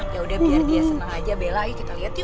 yaudah biar dia seneng aja bela yuk kita lihat yuk